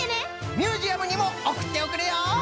ミュージアムにもおくっておくれよ！